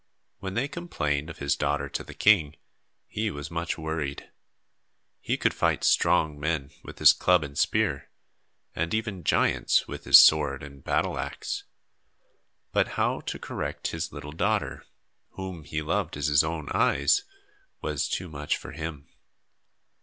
When they complained of his daughter to the king, he was much worried. He could fight strong men with his club and spear, and even giants with his sword and battle axe; but how to correct his little daughter, whom he loved as his own eyes, was too much for him.